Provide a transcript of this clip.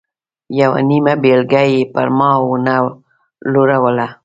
یوه نیمه بېلګه یې پر ما و نه لوروله.